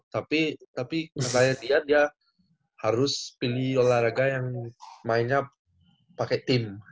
tapi tapi menurut saya dia harus pilih olahraga yang mainnya pakai tim